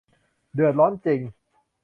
เดือดร้อนจริง